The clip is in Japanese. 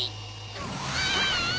うわ！